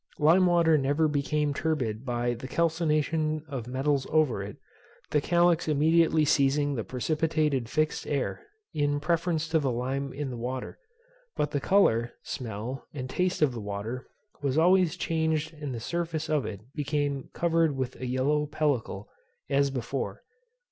Lime water never became turbid by the calcination of metals over it, the calx immediately seizing the precipitated fixed air, in preference to the lime in the water; but the colour, smell, and taste of the water was always changed and the surface of it became covered with a yellow pellicle, as before.